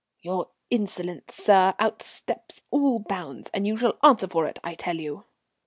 "Your insolence, sir, outsteps all bounds, and you shall answer for it, I tell you."